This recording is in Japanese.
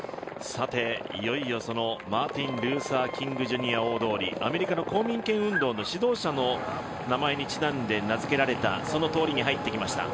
いよいよマーティン・ルーサー・キング・ジュニア大通りアメリカの公民権運動の指導者の名前にちなんで名付けられた通りに入ってきました。